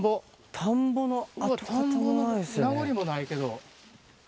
田んぼの名残もないけど。